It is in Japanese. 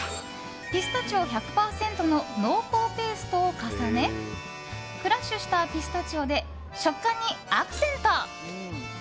ピスタチオ１００％の濃厚ペーストを重ねクラッシュしたピスタチオで食感にアクセント。